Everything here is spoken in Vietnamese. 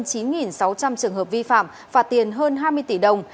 trong trường hợp vi phạm phạt tiền hơn hai mươi tỷ đồng